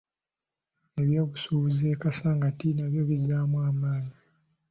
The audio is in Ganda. Eby'obusubuuzi e Kasangati nabyo bizzaamu amaanyi.